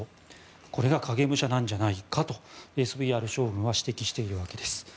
これが影武者なんじゃないかとＳＶＲ将軍は指摘しているわけです。